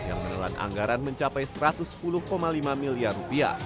yang menelan anggaran mencapai rp satu ratus sepuluh lima miliar